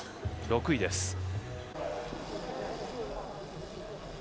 ６位です。